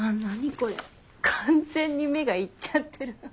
これ完全に目がいっちゃってる。